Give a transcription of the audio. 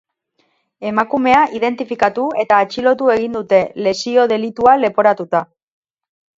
Emakumea identifikatu eta atxilotu egin dute, lesio-delitua leporatuta.